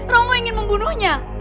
romo ingin membunuhnya